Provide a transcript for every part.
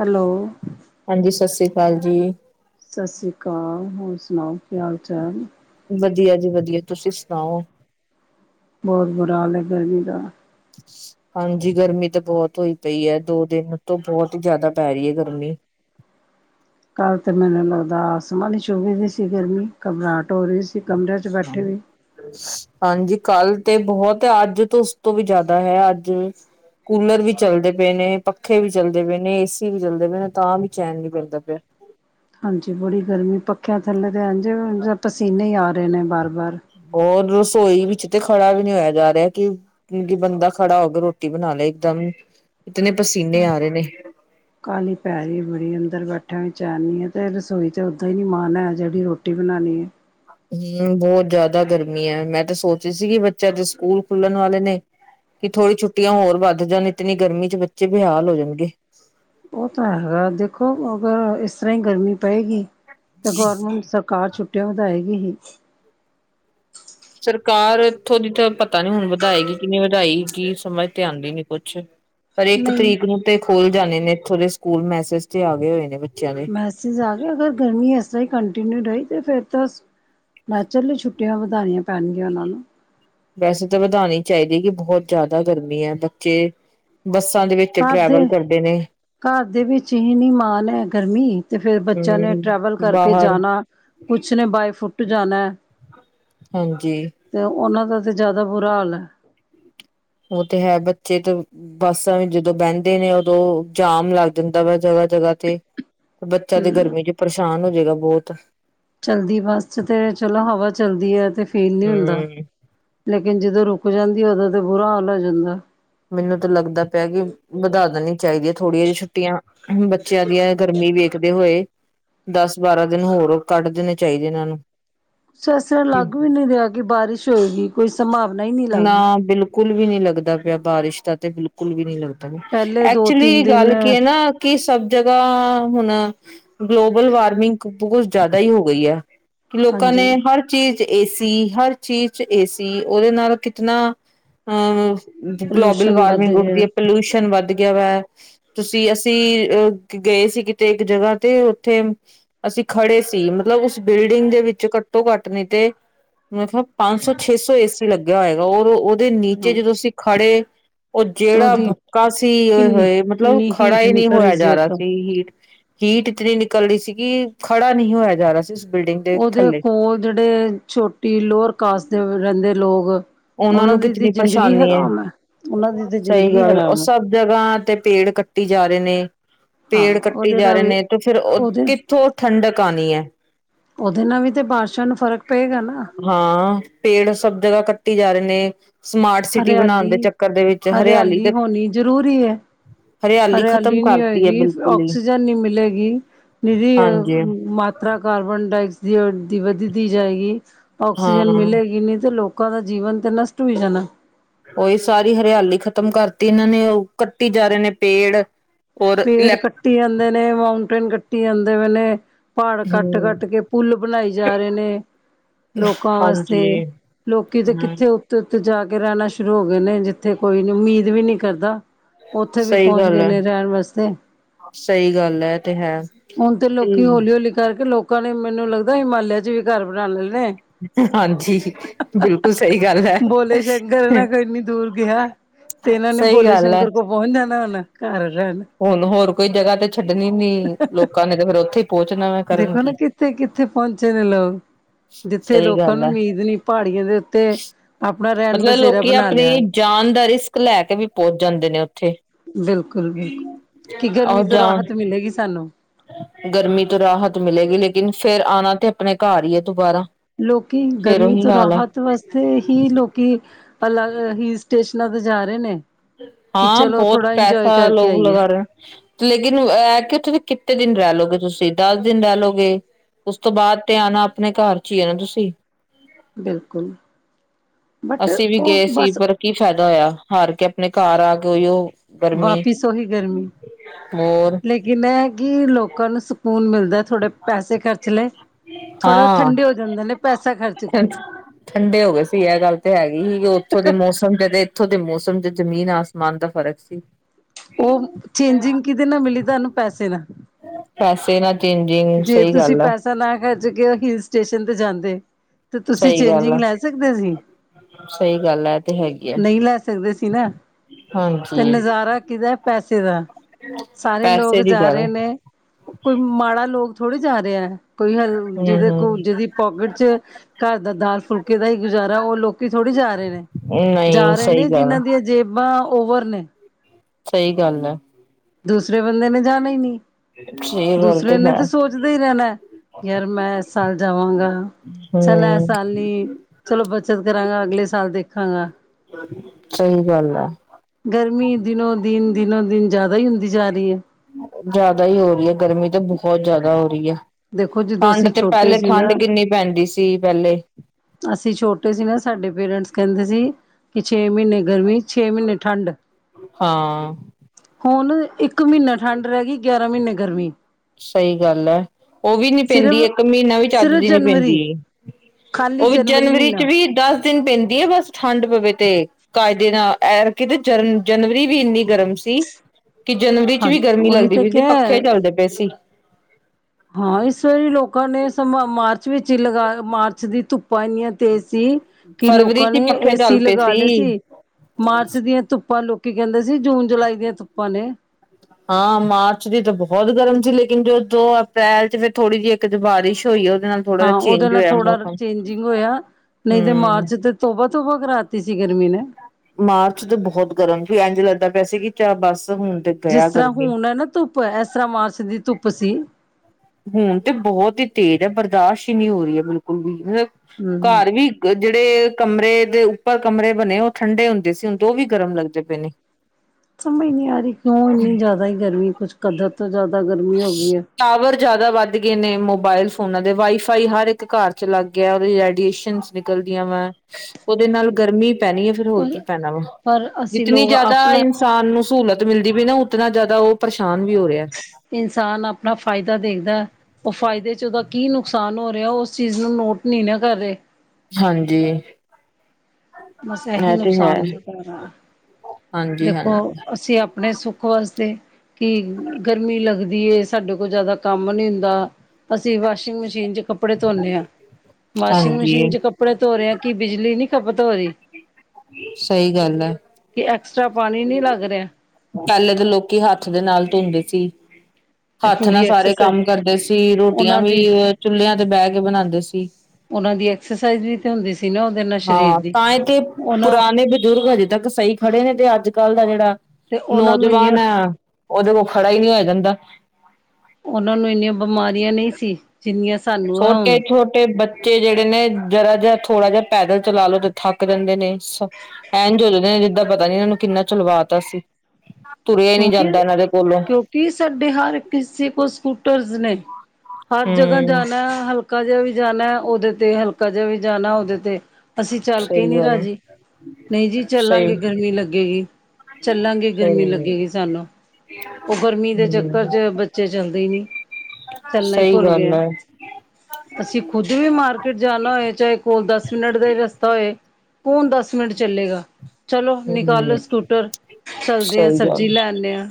Hello. ਹਾਂਜੀ ਸਤਿ ਸ੍ਰੀ ਅਕਾਲ ਜੀ। ਸਤਿ ਸ੍ਰੀ ਅਕਾਲ, ਹੋਰ ਸੁਣਾਓ ਕੀ ਹਾਲ- ਚਾਲ। ਵਧੀਆ ਜੀ ਵਧੀਆ, ਤੁਸੀਂ ਸੁਣਾਓ। ਬਹੁਤ ਬੁਰਾ ਹਾਲ ਏ ਗਰਮੀ ਦਾ। ਹਾਂਜੀ ਗਰਮੀ ਤਾਂ ਬਹੁਤ ਹੋਈ ਪਈ ਹੈ, ਦੋ ਦਿਨ ਤੋਂ ਬਹੁਤ ਹੀ ਜ਼ਿਆਦਾ ਪੈ ਰਹੀ ਹੈ ਗਰਮੀ। ਕੱਲ ਤੇ ਮੈਨੂੰ ਲੱਗਦਾ ਆਸਮਾਨ ਨੂੰ ਛੂ ਗਈ ਸੀ ਗਰਮੀ, ਘਬਰਾਹਟ ਹੋ ਰਹੀ ਸੀ। ਕਿ ਕਮਰਿਆਂ 'ਚ ਬੈਠੇ ਵੀ ਹਾਂਜੀ, ਕੱਲ੍ਹ ਤੇ ਬਹੁਤ ਅੱਜ ਤੋਂ ਉਸ ਤੋਂ ਵੀ ਜ਼ਿਆਦਾ ਹੈ ਅੱਜ ਕੂਲਰ ਵੀ ਚੱਲਦੇ ਪਏ ਨੇ, ਪੱਖੇ ਵੀ ਚੱਲਦੇ ਪਏ ਨੇ, ਏਸੀ ਵੀ ਚੱਲਦੇ ਪਏ ਨੇ, ਤਾਂ ਵੀ ਚੈਨ ਨਹੀਂ ਪੈਂਦਾ ਪਿਆ। ਹਾਂਜੀ, ਬੜੀ ਗਰਮੀ ਪੱਖਿਆਂ ਥੱਲੇ ਤਾਂ ਐਂਜ, ਪਸੀਨੇ ਹੀ ਆ ਰਹੇ ਨੇ ਬਾਰ-ਬਾਰ। ਹੋਰ ਰਸੋਈ ਵਿੱਚ ਤੇ ਖੜਾ ਵੀ ਨਹੀਂ ਹੋਇਆ ਜਾ ਰਿਹਾ, ਕਿ ਕਿਉਕਿ ਬੰਦਾ ਖੜਾ ਹੋ ਕੇ ਰੋਟੀ ਬਣਾ ਲਏ ਇੱਕਦਮ, ਇਤਨੇ ਪਸੀਨੇ ਆ ਰਹੇ ਨੇ। ਕਾਹਲੀ ਪੈ ਰਹੀ ਬੜੀ ਅੰਦਰ ਬੈਠਿਆਂ ਵੀ ਚੈਨ ਨਹੀਂ ਏ ਤੇ ਰਸੋਈ ਤੇ ਉਹਦਾ ਹੀ ਨਹੀਂ ਮਾਣ ਹੈ ਜਿਹੜੀ ਰੋਟੀ ਰੋਟੀ ਬਣਾਉਣੀ ਏ। ਹ ਮ ਬਹੁਤ ਜ਼ਿਆਦਾ ਗਰਮੀ ਹੈ, ਮੈਂ ਤਾਂ ਸੋਚ ਰਹੀ ਸੀ ਬੱਚਿਆਂ ਦੇ ਸਕੂਲ ਖੁੱਲਣ ਵਾਲੇ ਨੇ। ਕਿ ਥੋੜ੍ਹੀ ਛੁੱਟੀਆਂ ਹੋਰ ਵੱਧ ਜਾਣ, ਇਤਨੀ ਗਰਮੀ 'ਚ ਬੱਚੇ ਬੇਹਾਲ ਹੋ ਜਾਣਗੇ। ਉਹ ਤੇ ਹੈਗਾ ਦੇਖੋ ਅਗਰ ਇਸ ਤਰ੍ਹਾਂ ਹੀ ਗਰਮੀ ਪਏਗੀ। ਤੇ ਗੌਰਮਿੰਟ ਸਰਕਾਰ ਛੁੱਟੀਆ ਵਧਾਏਗੀ ਹੀ। ਸਰਕਾਰ ਇੱਥੋਂ ਦੀ ਤੇ ਪਤਾ ਨਹੀਂ ਹੁਣ ਵਧਾਏਗੀ ਕਿ ਨਹੀਂ ਵਧਾਏਗੀ ਕਿ ਸਮਝ ਤੇ ਆਉਂਦੀ ਨਹੀਂ ਕੁਛ। ਪਰ ਇੱਕ ਨਹੀਂ ਤਰੀਕ ਨੂੰ ਤੇ ਖੋਲ ਜਾਣੇ ਨੇ ਇੱਥੋਂ ਦੇ ਸਕੂਲ ਮੈਂਸਜ ਤੇ ਆ ਗਏ ਹੋਏ ਨੇ ਬੱਚਿਆਂ ਨੂੰ। ਮੈਸਜ ਆ ਗਿਆ ਅਗਰ ਗਰਮੀ ਇਸ ਤਰਾਂ ਹੀ ਕੰਟੀਿਨਿਊ ਰਹੀ ਤੇ ਫਿਰ ਤਾਂ ਨੈਚੂਰਲੀ ਛੁੱ ਛੁੱਟੀਆਂ ਵਧਾਉਣੀਆਂ ਪੈਣਗੀਆਂ ਉਹਨਾਂ ਨੂੰ। ਵੈਸੇ ਤਾਂ ਵਧਾਉਣੀ ਚਾਹੀਦੀ ਕਿ ਬਹੁਤ ਜ਼ਿਆਦਾ ਗਰਮੀ ਹੈ, ਬੱਚੇ ਬੱਸਾਂ ਦੇ ਵਿੱਚ ਜੇ ਘਰ ਦੇ ਟਰੈਵਲ ਕਰਦੇ ਨੇ। ਘਰ ਦੇ ਵਿੱਚ ਹੀ ਨੀ ਮਾਣ ਹੈ ਗਰਮੀ, ਤੇ ਫਿਰ ਬੱਚਿਆਂ ਨੇ ਟਰੈਵਲ ਹੂੰ ਕਰਕੇ ਬਾਹਰ ਜਾਣਾ। ਕੁਛ ਨੇ ਬਾਏ ਫੁੱਟ ਜਾਣਾ। ਹਾਂਜੀ। ਤੇ ਔਨਾਂ ਦਾ ਤੇ ਜੈਦਾ ਬੁਰਾ ਹਾਲ ਹੈ। ਓਹ ਤੇ ਹੈ, ਬੱਚੇ ਤ ਬੱਸਾਂ ਆਵੀਂ ਜਦੋਂ ਬੈੰਦੇ ਨੇ ਔਦੋਂ ਜਾਮ ਲੱਗ ਜਾਂਦਾ ਵਾ ਜਗ੍ਹਾ- ਜਗ੍ਹਾ ਤੇ। ਬੱਚਾ ਤੇ ਹਮ ਗਰਮੀ ਚ' ਪਰੇਸ਼ਾਨ ਹੋਜੇਗਾ ਬੌਤ। ਚਲਦੀ ਬੱਸ ਚ' ਤੇ ਚਲੋ ਹਵਾ ਚਲਦੀ ਐ ਤੇ ਫੀਲ ਨੀ ਹੁੰਦਾ। ਹੂੰ ਲੇਕਿਨ ਜਦੋਂ ਰੁਕ ਜਾਂਦੀ ਏ ਔਦੋਂ ਤੇ ਬੁਰਾ ਹਾਲ ਹੋ ਜਾਂਦਾ। ਮਿਨੂੰ ਤੇ ਲੱਗਦਾ ਪਿਆ ਕਿ, ਵਧਾ ਦੇਣੀ ਚਾਈਦੀ ਏ ਥੋੜ੍ਹੀਆ ਜੀ ਛੁੱਟੀਆਂ। ਬੱਚਿਆਂ ਦੀਆਂ ਐਹ ਗਰਮੀ ਵੇਖਦੇ ਹੋਏ ਦਸ -ਬਾਰਾਂ ਦਿਨ ਹੋਰ ਕੱਢ ਦੇਣੇ ਚਾਹੀਦੇ ਏਨਾਂ ਨੂੰ। ਐਸ ਲੱਗ ਵੀ ਨਹੀਂ ਰਿਹਾ ਕਿ ਬਾਰਿਸ਼ ਹੋਏਗੀ। ਕੋਈ ਸੰਭਾਵਨਾ ਹੀ ਨਹੀਂ। ਲੱਗ ਨਾ ਰਹੀ ਬਿਲਕੁਲ ਵੀ ਨਹੀਂ ਲੱਗਦਾ ਪਿਆ ਬਾਰਿਸ਼ ਦਾ ਤੇ ਬਿਲਕੁ ਬਿਲਕੁਲ ਵੀ ਨਹੀਂ ਲੱਗਦਾ ਪਹਿਲੇ ਪਆ। ਦੋ ਤਿੰਨ ਐਕਚੁਲੀ ਦਿਨ ਗੱਲ ਕੀ ਏ ਨਾ ਕਿ ਸਭ ਜਗ੍ਹਾ ਹੁਣ ਗਲੋਬਲ ਵਾਰਮਿੰਗ ਕੁ ਕੁਛ ਜ਼ਿਆਦਾ ਹੀ ਹੋ ਗਈ ਹੈ। ਕਿ ਲੋਕਾਂ ਹਾਂਜੀ ਨੇ ਹਰ ਚੀਜ਼ ਚ' ਏਸੀ, ਹਰ ਚੀਜ਼ ਚ' ਏਸੀ। ਉਹਦੇ ਨਾਲ ਕਿਤਨਾ, ਹੂ, ਮ ਗਲੋਬਲ ਪੋਲੂਸ਼ਨ ਵੱਧ ਵਾਰਮਿੰਗ ਗਿਆ ਉੱਡਦੀ ਏ ਪੋਲਿਊਸ਼ਨ ਵੱਧ ਗਿਆ ਵੈ। ਤੁਸੀਂ ਅਸੀਂ ਅ ਗਏ ਸੀ ਕਿਤੇ ਇੱਕ ਜਗ੍ਹਾ ਤੇ, ਉੱਥੇ ਅਸੀਂ ਖੜੇ ਸੀ, ਮਤਲਬ ਉਸ ਬਿਲਡਿੰਗ ਦੇ ਵਿੱਚ ਘੱਟੋ- ਘੱਟ ਨਹੀਂ ਤੇ ਮਤਲਬ ਪੰਜ ਸੌ- ਛੇ ਸੌ ਏ ਸੀ ਲੱਗਿਆ ਹੋਏਗਾ, ਉ ਉਹਦੇ ਨੀਚੇ ਹਾਂ ਜਦੋਂ ਅਸੀਂ ਖੜੇ ਉਹ ਤੇ ਜਿਹੜਾ ਉਹਦੀ ਭੱਕਾ ਸੀ ਹੋ-ਹੋ! ਕਿੰਨੀ ਮਤਲਬ ਕਿੰਨੀ ਖੜਾ ਹੀਟ ਹੀ ਨਹੀਂ ਨਿਕਲ ਰਹੀ ਹੋਇਆ ਜਾ ਰਿਹਾ ਉੱਥੋਂ ਸੀ ਹੀਟ ਹੀਟ ਇੱਤਨੀ ਨਿਕਲਦੀ ਸੀ ਕਿ, ਖੜਾ ਨਹੀਂ ਹੋਇਆ ਜਾ ਰਿਹਾ ਸੀ। ਬਿਲਡਿੰਗ ਦੇ ਔਦੇ ਥੱਲੇ ਕੋਲ ਜੇੜੇ ਛੋਟੀ ਲੋਅਰ ਕਾਸਟ ਦੇ ਰੈੰਦੇ ਲੋਗ ਉਹਨਾਂ ਔਨਾਂ ਨੂੰ ਦੀ ਤੇ ਕਿਤਨੀ ਜ਼ਿੰਦਗੀ ਪਰੇਸ਼ਾਨੀ ਹਰਾਮ ਹੈ, ਉਨਾਂ ਦੀ ਤੇ ਸਹੀ ਜ਼ਿੰਦਗੀ ਗੱਲ ਉਹ ਹਰਾਮ ਹੈ। ਸਭ ਜਗ੍ਹਾ ਤੇ ਪੇੜ ਕੱਟੀ ਜਾ ਰੇ ਨੇ। ਹਾਂ ਪੇੜ ਕੱਟੀ ਉਹਦੇ ਜਾ ਨਾਲ ਰੇ ਵੀ ਨੇ ਤੇ ਫਿਰ ਓਹ, ਉਹਦੇ ਕਿੱਥੋਂ ਠੰਡਕ ਆਣੀ ਐ। ਔਦੇ ਨਾਲ ਵੀ ਤੇ ਬਾਰਸ਼ਾ ਨੂੰ ਫ਼ਰਕ ਪਏਗਾ ਨਾ। ਹਾਂ, ਪੇੜ ਸਭ ਜਗ੍ਹਾ ਕੱਟੀ ਜਾ ਰੇ ਨੇ। ਸਮਾਰਟ ਸਿਟੀ ਬਣਾਣ ਹਰਿਆਲੀ ਦੇ ਚੱਕਰ ਦੇ ਵਿੱਚ ਹਰਿਆਲੀ ਤੇ ਹਰਿਆਲੀ ਖ਼ਤਮ ਹਰਿਯਾਲੀ ਨੀ ਕਰਤੀ ਹੈ ਹੋਏਗੀ, ਬਿਲਕੁਲ ਹੀ ਔਕਸੀਜਨ ਨੀ ਮਿਲੇਗੀ, ਨਿਰੀ ਹਾਂਜੀ ਅ ਮਾਤ ਤਰ੍ਹਾਂ ਕਾਰਬਨ ਡਾਇਆਕਸੀਅਡ ਦੀ ਵਧਦੀ ਜਾਏਗੀ, ਹਾਂ ਆਕਸੀਜਨ ਮਿਲੇਗੀ ਨੀ ਤੇ ਲੋਕ ਲੋਕਾਂ ਦਾ ਜੀਵਨ ਤੇ ਨਸ਼ਟ ਹੋਈ ਜਾਣ।। ਔਹੀ ਸਾਰੀ ਹਰਿਆਲੀ ਖ਼ਤਮ ਕਰਤੀ ਇਹਨਾਂ ਨੇ, ਔ ਕੱਟੀ ਜਾ ਰੇ ਨੇ ਪੇੜ। ਔਰ ਪੇੜ ਇਲੈਕ ਕੱਟੀ ਜਾਂਦੇ ਨੇ, ਮਾਉਂਟੇਨ ਕੱਟੀ ਜਾਂਦੇ ਪੇਣੇ। ਪਹਾੜ ਹਮ ਕੱਟ-ਕੱਟ ਕੇ ਪੁੂੱਲ ਬਣਾਈ ਜਾ ਰੇ ਨੇ। ਲੋਕਾਂ ਵਾਸਤੇ, ਹਾਂਜੀ ਲੋਕੀ ਤੇ ਹਮ ਕਿੱਥੇ ਉੱਤੇ- ਉੱਤੇ ਜਾ ਕੇ ਰੈਣਾ ਸ਼ੁਰੂ ਹੋ ਗਏ ਨੇ, ਜਿੱਥੇ ਕੋਈ ਨੀ ਉਮੀਦ ਵੀ ਨੀ ਕਰਦਾ। ਔਥੇ ਵੀ ਸਹੀ ਪੌੰਚ ਗੱਲ ਗਏ ਹੈ ਨੇ ਰੈਣ ਵਾਸ ਤੇ, ਸਹੀ ਗੱਲ ਹੈ ਇਹ ਤੇ ਹੈ ਹੁਣ ਤੇ ਲੋਕੀ ਹਮ ਹੌਲੀ-ਹੌਲੀ ਕਰਕੇ ਲੋਕਾਂ ਨੇ ਮੈਨੂੰ ਲੱਗਦਾ ਹਿਮਾਲਿਆ ਚ' ਵੀ ਘਰ ਬਣਾਣ ਲੈਣੇ ਨੇ। ਹਾਂਜੀ ਬਿਲਕੁਲ ਸਹੀ ਗੱਲ ਹੈ। ਬੋਲੇ ਸ਼ੰਕਰ ਏਨਾਂ ਕ ਇੰਨੀ ਦੂਰ ਗਿਆ। ਤੇ ਏਨਾਂ ਨੇ ਸਹੀ ਬੋਲੇ ਗੱਲ ਹੈ ਸ਼ੰਕਰ ਕੋਲ ਪੋੰਚ ਜਾਣੈ ਹੁਣ, ਘਰ ਰੈਣ। ਹੁਣ ਹੋਰ ਕੋਈ ਜਗ੍ਹਾ ਤੇ ਛੱਡਣੀ ਨੀ, ਲੋਕਾਂ ਨੇ ਤੇ ਫੇਰ ਔਥੇ ਹੀ ਪਹੁੰਚਣਾ ਵੈਂ। ਦੇਖਾ ਨਾ ਕਿੱਥੇ-ਕਿੱਥੇ ਪੌੰਹਚੇ ਨੇ ਲੋਗ? ਜਿੱਥੇ ਸਹੀ ਲੋਕਾਂ ਗੱਲ ਨੂੰ ਹੈ ਉਮੀਦ ਨੀ। ਪਾੜੀਏ ਦੇ ਉੱਤੇ। ਆਪਣਾ ਰਹਿਣ ਮਤਲਬ ਬਸੇਰਾ ਲੋਕੀ ਬਣਾ ਆਪਣੀ ਲਿਆ ਜਾਨ ਦਾ ਰਿਸਕ ਲੈ ਕੇ ਵੀ ਪੌੰਚ ਜਾਂਦੇ ਨੇ ਔਥੇ। ਬਿਲਕੁਲ- ਬਿਲਕੁਲ, ਕੀ ਗਰਮੀ ਤੋਂ ਜਾਣ ਰਾਹਤ ਮਿਲੇਗੀ ਸਾਨੂੰ। ਗਰਮੀ ਤੋਂ ਰਾਹਤ ਮਿਲੇਗੀ ਲੇਕਿਨ ਫੇਰ ਆਣਾ ਤੇ ਅਪਣੇ ਘਰ ਹੀ ਏ ਦੁਬਾਰਾ। ਲੋਕੀ ਫੇਰ ਗਰਮੀ ਉਹੀ ਤੋਂ ਹਾਲ ਹੈ ਰਾਹਤ ਵਸ ਥੇ ਹੀ ਲੋਕੀ, ਅਲਗ ਹੀ ਸਟੇਸ਼ਨਾਂ ਤੇ ਜਾ ਰੇ ਨੇ। ਕਿ ਹਾਂ, ਚਲੋ ਬੌਤ ਥੋੜਾ ਇੰਜੋਏ ਪੈਸਾ ਕਰਕੇ ਲੋਗ ਆਈਏ। ਲਗਾ ਰੇ ਐ। ਲੇਕਿਨ ਇਹ ਕਿ ਉੱਥੇ ਕਿਤਨੇ ਦਿਨ ਰਹਿ ਲੋਗੇ ਤੁਸੀਂ, ਦਸ ਦਿਨ ਰਹਿ ਲੋਗੇ। ਉਸ ਤੋਂ ਬਾਅਦ ਤੇ ਆਣਾ ਆਪਣੇ ਘਰ ਚ ਹੀ ਆ ਤੁਸੀ। ਬਿਲਕੁਲ। ਬਟ ਅਸੀਂ ਵੀ ਉਹ ਗਏ ਸੀ ਬਸ ਪਰ ਕੀ ਫਾਇਦਾ ਹੋਇਆ ਹਾਰ ਕੇ ਆਪਣੇ ਘਰ ਆ ਕੇ ਉਹੀਓ ਗਰਮੀ ਵਾਪਿਸ ਉਹੀ ਗਰਮੀ ਹੋਰ ਲੇਕਿਨ ਇਹ ਕਿ ਲੋਕਾਂ ਨੂੰ ਸਕੂਨ ਮਿਲਦਾ। ਥੋੜੇ ਪੈਸੇ ਖਰਚ ਲੈ ਥੋੜੇ ਉਹ ਹਾਂ ਠੰਡੇ ਹੋ ਜਾਂਦੇ ਨੇ ਪੈਸਾ ਖਰਚ ਕੇ। ਠੰਡੇ ਹੋ ਗਏ ਸੀ ਇਹ ਗੱਲ ਤੇ ਹੈਗੀ ਹੀ ਕਿ ਉੱਥੋਂ ਦੇ ਮੌਸਮ ਤੇ ਇੱਥੋਂ ਦੇ ਮੌਸਮ ਚ ਜ਼ਮੀਨ ਆ ਮਾਨ ਦਾ ਫ਼ਰਕ ਸੀ। ਉਹ ਚੇਂਜਿੰਗ ਕਿਦੇ ਨਾਲ ਮਿਲੀ ਤੁਹਾਨੂੰ ਪੈਸੇ ਨਾਲ। ਪੈਸੇ ਨਾਲ ਜੇ ਤੁਸੀਂ ਪੈਸਾ ਨਾ ਖਰਜ ਕੇ ਹਿਲ ਸਟੇਸ਼ਨ ਤੇ ਜਾਂਦੇ। ਤੇ ਤੁਸੀਂ ਸਹੀ ਗੱਲ ਚੇਂਜਿੰਗ ਆ ਲੈ ਸਕਦੇ ਸੀ? ਸਹੀ ਗੱਲ ਹੈ ਤੇ ਹੈਗੀ ਆ ਨਹੀਂ ਲੈ ਸਕਦੇ ਸੀ ਨਾ। ਤੇ ਹਾਂਜੀ ਨਜ਼ਾਰਾ ਕਿਦੈ ਪੈਸੇ ਦਾ, ਸਾਰੇ ਲੋਕ ਪੈਸੇ ਦੀ ਜਾ ਗੱਲ ਰੇ ਨੇ ਕੋਈ ਮਾੜਾ ਲੋਕ ਥੋੜੀ ਜਾ ਰੇਐ ਕੋਈ ਹਲ ਹਮ ਜਿਦੇ ਹਮ ਕੋ ਜਿਦੀ ਪੋਕਿਟ ਚ ਘਰ ਦਾ ਦਾਲ-ਫੁਲਕੇ ਦਾ ਈ ਗੁਜ਼ਾਰਾ ਓਹ ਲੋਕੀ ਥੋੜ੍ਹੇ ਜਾ ਰੇ ਨੇ। ਨਹੀਂ ਜਾ ਰੇ ਸਹੀ ਨੇ ਗੱਲ ਜਿਨਾਂ ਦੀਆਂ ਜੇਬਾਂ ਔਵਰ ਨੇ। ਸਹੀ ਗੱਲ ਐ। ਦੂਸਰੇ ਬੰਦੇ ਨੇ ਜਾਣਾ ਹੀ ਨੀ। ਛੇ। ਦੂਸਰੇ ਨੇ ਤੇ ਸੋਚਦੇ ਹੀ ਰੈਣੈ, ਯਾਰ ਮੈਂ ਐਸ ਸਾਲ ਜਾਵਾਂਗਾ। ਚੱਲ ਐ ਹਮ ਸਾਲ ਨੀ, ਚਲੋ ਬੱਚਤ ਕਰਾਂਗਾ ਅਗਲੇ ਸਾਲ ਦੇਖਾਂਗਾ। ਸਹੀ ਗੱਲ ਆ। ਗਰਮੀ ਦਿਨੋ ਦਿਨ, ਦਿਨੋ ਦਿਨ ਜਾਦਾ ਹੀ ਹੁੰਦੀ ਜਾ ਰਹੀ ਏ। ਜਾਦਾ ਹੀ ਹੋ ਰਹੀ ਐ, ਗਰਮੀ ਤਾਂ ਬਹੁਤ ਜਾਦਾ ਹੋ ਰਹੀ ਐ। ਦੇਖੋ ਜਦੋਂ ਠੰਡ ਅਸੀਂ ਤੇ ਛੋਟੇ ਪਹਿਲੇ ਸੀ ਠੰਡ ਨਾ ਕਿੰਨੀ ਪੈਂਦੀ ਸੀ ਪਹਿਲੇ। ਅਸੀਂ ਛੋਟੇ ਸੀ ਨਾ ਸਾਡੇ ਪੇਰੈਂਟਸ ਕਹਿੰਦੇ ਸੀ ਕਿ ਛੇ ਮਹੀਨੇ ਗਰਮੀ ਛੇ ਮਹੀਨੇ ਠੰਡ। ਹਾਂ ਹੁਣ ਇੱਕ ਮਹੀਨਾ ਠੰਡ ਰਹਿ ਗਈ ਗਿਆਰਾਂ ਮਹੀਨੇ ਗਰਮੀ। ਸਹੀ ਗੱਲ ਐ ਉਹ ਵੀ ਨੀ ਪੈਂਦੀ ਸਿਰਫ ਇੱਕ ਮਹੀਨਾ ਵੀ ਚੱਜ ਸਿਰਫ ਦੀ ਨੀ ਪੈਂਦੀ। ਜਨਵਰੀ ਖਾਲੀ ਉਹ ਵੀ ਜਨਵਰੀ ਚ ਮਹੀਨਾ ਵੀ ਦਸ ਦਿਨ ਪੈਂਦੀ ਐ ਬਸ ਠੰਡ ਪਵੇ ਤੇ। ਕਾਇਦੇ ਨਾਲ ਐਰਕੀ ਤੇ ਜਨ ਜਨਵਰੀ ਵੀ ਇੰਨੀ ਗਰਮ ਸੀ ਸੀ ਕਿ ਜਨਵਰੀ ਚ ਹਾਂ ਵੀ ਗਰਮੀ ਉਹੀ ਲੱਗਦੀ ਤੇ ਪਈ ਸੀ ਪੱਖੇ ਕਹਿ ਚੱਲਦੇ ਪਏ ਸੀ। ਹਾਂ ਇਸ ਵਾਰੀ ਲੋਕਾਂ ਨੇ ਸਮ ਮਾਰਚ ਵਿੱਚ ਹੀ ਲਗਾ ਮਾਰਚ ਦੀ ਧੁੱਪਾਂ ਇੰਨੀਆਂ ਤੇ ਸੀ ਕਿ ਫਰਵਰੀ ਲੋਕਾਂ ਚ ਹੀ ਨੇ ਪੱਖੇ ਚੱਲ ਏਸੀ ਪਏ ਲਗਾ ਲਏ ਸੀ, ਮਾਰਚ ਦੀਆਂ ਧੁੱਪਾਂ ਲੋ ਕੀ ਕਹਿੰਦੇ ਸੀ ਜੂਨ, ਜੁਲਾਈ ਦੀਆਂ ਧੁੱਪਾਂ ਨੇ। ਹਾਂ ਮਾਰਚ ਦੀ ਤਾਂ ਬਹੁਤ ਗਰਮ ਸੀ, ਲੇਕਿਨ ਜੋ ਦੋ ਅਪ੍ਰੈਲ ਚ ਫੇਰ ਥੋੜ੍ਹੀ ਜਿਹੀ ਇੱਕ ਬਾਰਿਸ਼ ਹੋਈ ਉਹਦੇ ਨਾਲ ਥੋੜਾ ਜਿਹਾ ਹਾਂ ਉਹਦੇ ਚੇਂਜ ਨਾਲ ਹੋਇਆ ਥੋੜਾ ਮੌਸਮ ਚੇਂਜਿੰਗ ਹੋਇਆ ਨਹੀਂ ਤੇ ਹਮ ਮਾਰਚ ਤੇ ਤੋਬਾ-ਤੋਬਾ ਕਰਾਤੀ ਸੀ ਗਰਮੀ ਨੇ। ਮਾਰਚ ਤੇ ਬਹੁਤ ਗਰਮ ਸੀ ਇੰਝ ਲੱਗਦਾ ਪਿਆ ਸੀ ਕਿ ਚ ਬਸ ਹੁਣ ਤੇ ਜਿਸ ਗਿਆ ਤਰ੍ਹਾਂ ਗਰਮੀ ਹੁਣ ਆ ਨਾ ਧੁੱਪ, ਇਸ ਤਰ੍ਹਾਂ ਮਾਰਚ ਦੀ ਧੁੱਪ ਸੀ। ਹੁਣ ਤੇ ਬਹੁਤ ਹੀ ਤੇਜ਼ ਆ, ਬਰਦਾਸ਼ਤ ਹੀ ਨਹੀਂ ਹੋ ਰਹੀ ਆ ਬਿਲਕੁਲ ਵੀ ਮਤਬ ਹਮ ਘਰ ਵੀ ਜਿਹੜੇ ਕਮਰੇ ਦੇ ਉੱਪਰ ਕਮਰੇ ਬਣੇ ਉਹ ਠੰਡੇ ਹੁੰਦੇ ਸੀ, ਹੁਣ ਉਹ ਵੀ ਗਰਮ ਲੱਗਦੇ ਪਏ ਨੇ। ਸਮਝ ਨਹੀਂ ਆ ਰਹੀ ਕਿਉਂ ਇੰਨੀ ਜਾਦਾ ਹੀ ਗਰਮੀ ਕੁਝ ਕਦਰ ਤੋਂ ਜਾਦਾ ਗਰਮੀ ਹੋ ਗਈ ਆ। ਟਾਵਰ ਜ਼ਿਆਦਾ ਵੱਧ ਗਏ ਨੇ ਮੋਬਾਇਲ ਫੋਨਾਂ ਦੇ, ਵਾਈਫਾਈ ਹਰ ਇੱਕ ਘਰ ਚ ਲੱਗ ਗਿਆ, ਉਹਦੇ ਰੇਡੀਏਸ਼ਨ ਨਿਕਲਦੀਆਂ ਵਾ, ਉਹਦੇ ਨਾਲ ਗਰਮੀ ਪੈਣੀ ਆ ਫਿਰ ਹੋਰ ਪਰ ਕੀ ਪੈਣਾ ਵਾ ਪਰ ਅਸੀਂ ਜਿਤਨੀ ਲੋਕ ਜ਼ਿਆਦਾ ਆਪਣਾ ਇਨਸਾਨ ਨੂੰ ਸਹੂਲਤ ਮਿਲਦੀ ਪਈ ਨਾ ਉਤਨਾ ਜਾਦਾ ਉਹ ਪਰੇਸ਼ਾਨ ਵੀ ਹੋ ਰਿਹਾ। ਇਨਸਾਨ ਆਪਣਾ ਫਾਇਦਾ ਦੇਖਦਾ ਉਹ ਫਾਇਦੇ ਚ ਉਹਦਾ ਕੀ ਨੁਕਸਾਨ ਹੋ ਰਿਹਾ ਉਸ ਚੀਜ਼ ਨੂੰ ਨੋਟ ਨਹੀਂ ਨਾ ਕਰ ਰਹੇ। ਹਾਂਜੀ ਬਸ ਏਹੀ ਇਹ ਤੇ ਹੈ ਨੁਕਸਾਨ ਦਾ ਘਰ ਆ ਹਾਂਜੀ ਦੇਖੋ ਹਾਂਜੀ ਅਸੀਂ ਆਪਣੇ ਸੁੱਖ ਹੋਰ ਰਸਤੇ ਕਿ ਗਰਮੀ ਲਗਦੀ ਏ। ਸਾਡੇ ਕੋ ਜਿਆਦਾ ਕੰਮ ਨੀ ਹੁੰਦਾ ਅਸੀਂ ਵਾਸ਼ਿੰਗ ਮਸ਼ੀਨ 'ਚ ਕਪ ਕਪਡ਼ੇ ਧੋਣੇ ਆ ਵਾਸ਼ਿੰਗ ਮਸ਼ੀਨ ਹਾਂਜੀ 'ਚ ਕਪ ਕੱਪੜੇ ਧੋ ਰਹੇ ਆ ਕਿ ਬਿਜਲੀ ਨੀ ਖਪਤ ਹੋ ਰਹੀ। ਸਹੀ ਗੱਲ ਐ। ਕੇ ਐਕਸਟਰਾ ਪਾਣੀ ਨੀ ਲਗ ਰਿਹਾ। ਪਹਿਲੇ ਤੇ ਲੋਕੀ ਹੱਥ ਦੇ ਨਾਲ ਧੋਂਦੇ ਸੀ। ਤੇ ਹੱਥ ਪੂਰੀ ਨਾਲ ਸਾਰੇ ਐਕਸਰਸਾਈ ਕੰਮ ਕਰਦੇ ਸੀ ਰੋਟੀਆਂ ਉਹਨਾਂ ਵੀ ਦੀ ਚੁਲ੍ਹਿਆਂ ਤੇ ਬਹਿ ਕੇ ਬਣਾਂਦੇ ਸੀ। ਉਹਨਾਂ ਦੀ ਐਕਸਰਸਾਈਜ਼ ਵੀ ਤੇ ਹੁੰਦੀ ਸੀ ਨਾ। ਨਾਲ ਸਰੀਰ ਹਾਂ ਦੀ ਤਾਂਈ ਤੇ ਉਹਨਾਂ ਪੁਰਾਣੇ ਬਜ਼ੁਰਗ ਹਜੇ ਤੱਕ ਸਹੀ ਖੜੇ ਨੇ ਤੇ ਅੱਜ ਕੱਲ੍ਹ ਦਾ ਜਿਹੜਾ ਤੇ ਉਹਨਾਂ ਨੂੰ ਇੰਨੀਆਂ ਨੌਜਵਾਨ ਆ ਉਹਦੇ ਕੋਲ ਖੜਾ ਹੀ ਨੀ ਹੋਇਆ ਜਾਂਦਾ। ਉਹਨਾਂ ਨੂੰ ਇੰਨੀਆਂ ਬਿਮਾਰੀਆਂ ਨਹੀਂ ਸੀ। ਜਿੰਨੀਆਂ ਸਾਨੂੰ ਆ ਛੋਟੇ- ਹੁਣ ਛੋਟੇ ਬੱਚੇ ਤੇ ਜਿਹੜੇ ਨੇ ਜਰਾ ਜਿਹਾ ਥੋੜਾ ਜਿਹਾ ਪੈਦਲ ਚਲਾ ਲੋ ਤੇ ਥੱਕ ਜਾਂਦੇ ਨੇ ਸ ਐਂਝ ਹੋ ਜਾਂਦੇ ਨੇ ਜਿੱਦਾਂ ਪਤਾ ਨੀ ਇਹਨਾਂ ਨੂੰ ਕਿੰਨਾ ਚਲਵਾ ਤਾ ਸੀ। ਤੁਰਿਆ ਹੀ ਨੀ ਜਾਂਦਾ ਇਹਨਾਂ ਦੇ ਕੋਲੋਂ। ਕੀ ਸਾਡੇ ਹਰ ਕਿਸੇ ਕੋਲ ਸਕੂਟਰਸ ਨੇ ਹਰ ਜਗ੍ਹਾ ਹਮ ਜਾਣਾ ਹਲਕਾ ਹਲਕਾ ਜਿਹਾ ਵੀ ਜਾਣਾ ਉਹਦੇ ਤੇ ਹਲਕਾ ਜਿਹਾ ਵੀ ਜਾਣਾ ਉਹਦੇ ਤੇ ਅਸੀਂ ਚੱਲ ਕੇ ਸਹੀ ਨਹੀਂ ਗੱਲ ਰਾਜੀ ਨਹੀਂ ਜੀ ਸਹੀ ਚਲਾਂਗੇ ਗਰਮੀ ਲਗੇਗੀ। ਚਲਾਂਗੇ ਗਰਮੀ ਸਹੀ ਲਗੇਗੀ ਸਾਨੂੰ ਉਹ ਗਰਮੀ ਦੇ ਹਮ ਚੱਕਰ 'ਚ ਬੱਚੇ ਚੱਲਦੇ ਈ ਨੀ ਚੱਲਣਾ ਈ ਸਹੀ ਭੁੱਲ ਗਏ ਗੱਲ ਐ। ਹੈ ਅਸੀਂ ਖੁਦ ਵੀ ਮਾਰਕੀਟ ਜਾਣਾ ਹੋਏ ਚਾਹੇ ਕੋਲ ਦਸ ਮਿੰਟ ਦਾ ਈ ਰਸਤਾ ਹੋਏ। ਕੌਣ ਦਸ ਮਿੰਟ ਚੱਲੇਗਾ ਚਲੋ ਨਿਕਾਲੋ ਹਮ ਸਕੂਟਰ ਚੱਲਦੇ ਆ ਸਹੀ ਗੱਲ ਸਬਜ਼ੀ ਲੈਣੇ ਆ।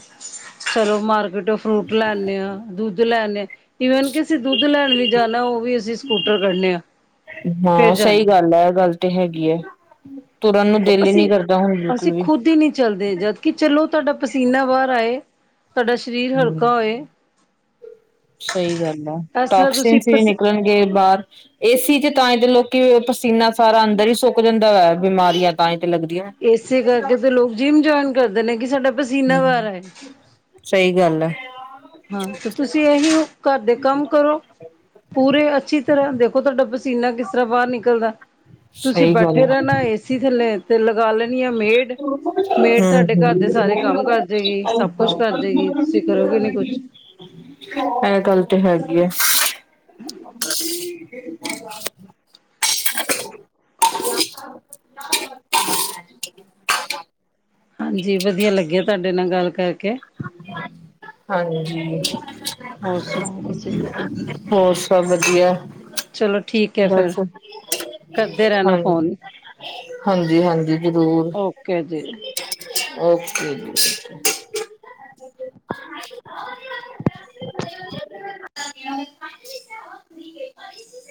ਚਲੋ ਮਾਰਕੀਟੋ ਫਰੂਟ ਲੈਣੇ ਆ, ਦੁੱਧ ਲੈਣੇ ਆ ਈਵਨ ਕਿ ਅਸੀਂ ਦੁੱਧ ਦੁੱਧ ਲੈਣ ਵੀ ਜਾਣਾ ਉਹ ਵੀ ਅਸੀਂ ਸਕੂਟਰ ਕੱਢਣੇ ਆ। ਹਾਂ ਸਈ ਗੱਲ ਐ- ਐ ਗੱਲ ਤੇ ਹੈਗੀ ਐ। ਤੁਰਨ ਨੂੰ ਹਾਂ। ਦਿਲ ਈ ਨੀ ਅਸੀਂ ਕਰਦਾ ਹੁਣ ਬਿਲਕੁਲ ਅਸੀਂ ਵੀ ਖੁਦ ਹੀ ਨਹੀਂ ਚੱਲਦੇ ਜਦ ਕਿ ਚਲੋ ਤੁਹਾਡਾ ਪਸੀਨਾ ਬਾਹਰ ਆਏ ਤੁਹਾਡਾ ਸ਼ ਸ਼ਰੀਰ ਹਮ ਹਲਕਾ ਹੋਏ। ਸਹੀ ਗੱਲ ਐ ਇਸ ਤਰ੍ਹਾਂ ਤੁਸੀਂ ਟੋਕਸੀਨਸ ਨੀ ਪਸ ਨਿਕਲਣਗੇ ਬਾਹਰ ਏਸੀ 'ਚ ਤਾਂਈ ਤੇ ਲੋਕੀ ਪਸੀਨਾ ਸਾਰਾ ਅੰਦਰ ਹੀ ਸੁੱਕ ਜਾਂਦਾ ਵੇ ਬਿਮਾਰੀਆਂ ਤਾਂਈ ਤੇ ਲੱਗਦੀਆਂ ਵ। ਇਸੇ ਕਰਕੇ ਤੇ ਲੋਕ ਜਿੰਮ ਜੁਆਇਨ ਕਰਦੇ ਨੇ ਕਿ ਸਾਡਾ ਪਸੀਨਾ ਬਾਹਰ ਹਮ ਆਏ। ਸਹੀ ਗੱਲ ਆ। ਹਾਂ ਤੇ ਤੁਸੀਂ ਇਹੀ ਓ ਘਰ ਦੇ ਕੰਮ ਕਰੋ ਪੂਰੇ ਅੱਛੀ ਤਰ੍ਹਾਂ ਦੇਖੋ ਤੁਹਾਡਾ ਪਸ ਪਸੀਨਾ ਕਿਸ ਤਰਾ ਬਾਹਰ ਨਿਕਲਦਾ ਤੁਸੀਂ ਸਹੀ ਗੱਲ ਬੈਠੇ ਹੈ ਰਹਿਣਾ ਏਸੀ ਥੱਲੇ ਤੇ ਲਗਾ ਲੈਣੀ ਆ ਮੇਡ ਮੇਡ ਹੂੰ ਤੁਹਾਡੇ ਘਰ ਦੇ ਹੂੰ ਸਾਰੇ ਕੰਮ ਕਰ ਜੇਗੀ ਸਭ ਕੁਛ ਕਰ ਜੇਗੀ ਤੁਸੀਂ ਕਰੋਗੇ ਨੀ ਕੁਛ ਇਹ ਗੱਲ ਤੇ ਹੈਗੀ ਐ। [inaudible] [inaudible] ਹਾਂਜੀ ਵਧੀਆ ਲਗਿਆ ਤੁਹਾਡੇ ਨਾਲ ਗੱਲ ਕਰਕੇ ਹਾਂਜੀ ਹੋਰ ਸੁਣਾਓ ਤੁਸੀਂ ਹੋਰ ਸਭ ਵਧੀਆ ਐ। ਚਲੋ ਠੀਕ ਐ ਫਿਰ ਕਰਦੇ ਰਹਿਣਾ ਹਾਂ ਫੋਨ ਹਾਂਜੀ-ਹਾਂਜੀ ਜ਼ਰੂਰ ਓਕੇ ਜੀ ਓਕੇ ਜੀ।